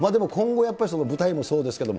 今後やっぱり舞台もそうです